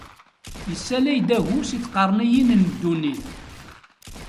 Issalay-d agu si tqerniyin n ddunit.